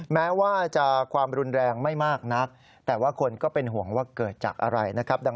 แม้ว่าจะความรุนแรงไม่มากนักแต่ว่าคนก็เป็นห่วงว่าเกิดจากอะไรนะครับ